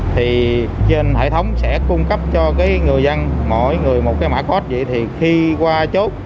thì trên hệ thống sẽ cung cấp cho cái người dân mỗi người một cái mã cod vậy thì khi qua chốt